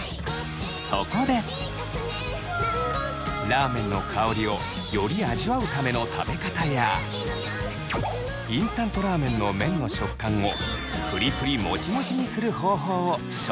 そこでラーメンの香りをより味わうための食べ方やインスタントラーメンの麺の食感をプリプリもちもちにする方法を紹介します。